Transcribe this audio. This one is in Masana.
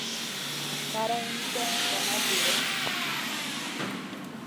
Marayna kayn va ma dura.